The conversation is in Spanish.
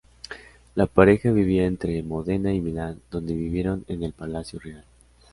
La pareja vivía entre Modena y Milán, donde vivieron en el Palacio Real.